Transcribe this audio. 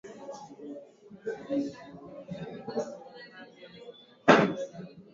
Polisi wa Zimbabwe